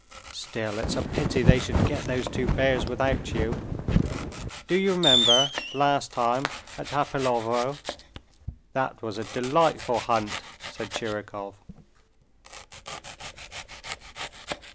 "Still, it's a pity they should get those two bears without you. Do you remember last time at Hapilovo? That was a delightful hunt!" said Tchirikov.